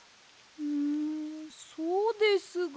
んそうですが。